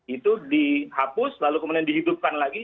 itu dihapus lalu kemudian dihidupkan lagi